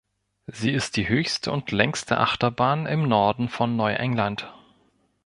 Sie ist die höchste und längste Achterbahn im Norden von Neuengland.